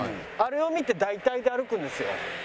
あれを見て大体で歩くんですよ。